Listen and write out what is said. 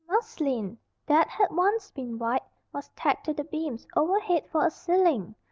Muslin, that had once been white, was tacked to the beams overhead for a ceiling.